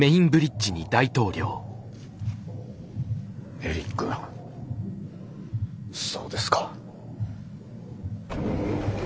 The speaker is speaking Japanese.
エリックがそうですか。